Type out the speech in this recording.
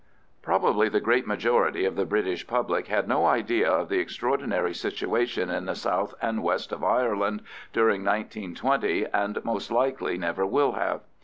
Probably the great majority of the British public had no idea of the extraordinary situation in the south and west of Ireland during 1920, and most likely never will have.